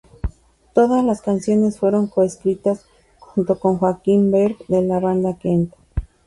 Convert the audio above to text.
Todas las canciones fueron co-escritas junto con Joakim Berg de la banda Kent.